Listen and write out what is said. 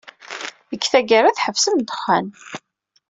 Deg tgara, tḥebsem ddexxan.